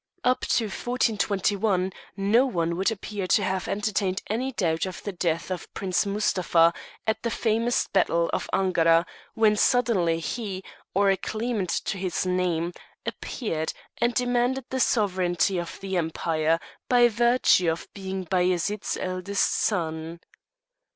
Up to 1421 no one would appear to have entertained any doubt of the death of Prince Mustapha at the famous battle of Angora, when suddenly he, or a claimant to his name, appeared, and demanded the sovereignty of the empire, by virtue of being Bajaret's eldest son.